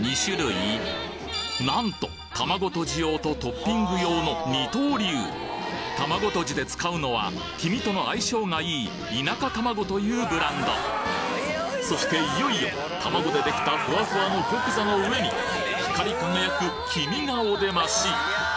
なんと卵とじ用とトッピング用の二刀流卵とじで使うのは黄身との相性がいい田舎たまごというブランドそしていよいよ卵でできたフワフワの玉座の上に光り輝く黄身がお出まし